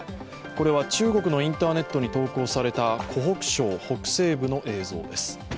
これは中国のインターネットに投稿された湖北省北西部の映像です。